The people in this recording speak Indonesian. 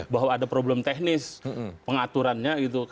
bahwa ada problem teknis pengaturannya gitu